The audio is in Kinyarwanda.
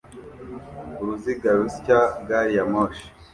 uruziga rusya gari ya moshi